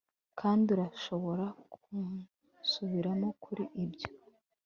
kandi urashobora kunsubiramo kuri ibyo